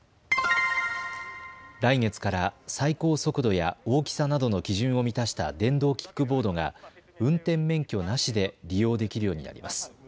来月から最高速度や大きさなどの基準を満たした電動キックボードが運転免許なしで利用できるようになります。